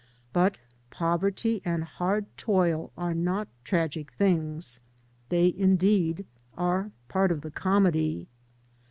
But poverty and hard toil are not tragic things. They indeed are part of the comedy.